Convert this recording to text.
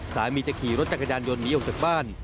สามีจะขี่รถจักรยานยนต์หนีออกจากบ้าน